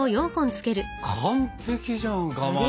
完璧じゃんかまど。